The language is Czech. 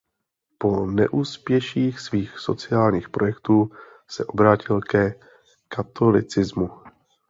Po neúspěších svých sociálních projektů se obrátil ke katolicismu.